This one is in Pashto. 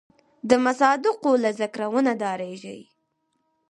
د مصادقو له ذکره ونه ډارېږي.